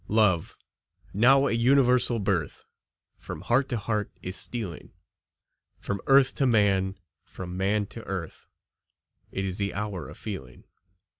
Love, now a universal birth, From heart to heart is stealing, From earth to man, from man to earth; It is the hour of feeling.